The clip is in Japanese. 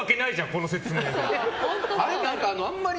この説明で！